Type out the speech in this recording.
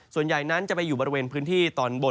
ส่วนใหญ่นั้นจะไปอยู่บริเวณพื้นที่ตอนบน